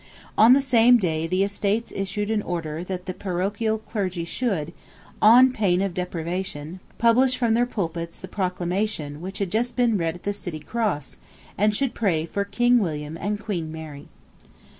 On the same day the Estates issued an order that the parochial clergy should, on pain of deprivation, publish from their pulpits the proclamation which had just been read at the city cross, and should pray for King William and Queen Mary.